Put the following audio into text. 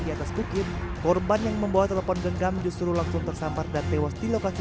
di atas bukit korban yang membawa telepon genggam justru langsung tersambar dan tewas di lokasi